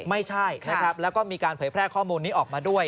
ไม่ใช่นะครับแล้วก็มีการเผยแพร่ข้อมูลนี้ออกมาด้วย